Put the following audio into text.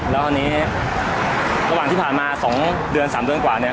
แล้วอันนี้ระหว่างที่ผ่านมา๒เดือน๓เดือนกว่าเนี่ย